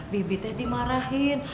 b b tadi marahin